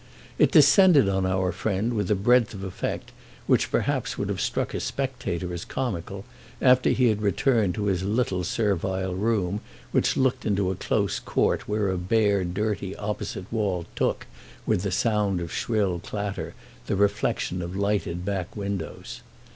It descended on our friend with a breadth of effect which perhaps would have struck a spectator as comical, after he had returned to his little servile room, which looked into a close court where a bare dirty opposite wall took, with the sound of shrill clatter, the reflexion of lighted back windows.